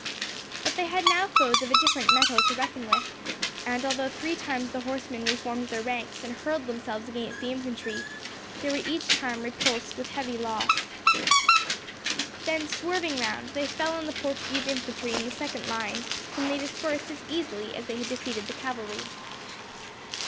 But they had now foes of a different metal to reckon with, and although, three times, the horsemen reformed their ranks and hurled themselves against the infantry, they were each time repulsed with heavy loss. Then, swerving round, they fell on the Portuguese infantry in the second line, whom they dispersed as easily as they had defeated the cavalry.